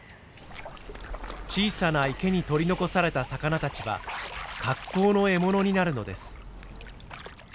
小さな池に取り残された魚たちは格好の獲物になるのです。